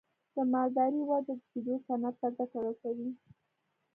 د مالدارۍ وده د شیدو صنعت ته ګټه رسوي.